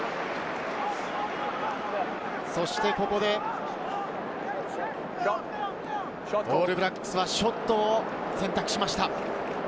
そしてここで、オールブラックスはショットを選択しました。